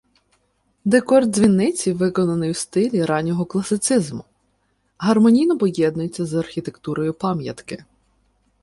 Декор дзвіниці виконаний у стилі раннього класицизму, гармонійно поєднується з архітектурою пам'ятки.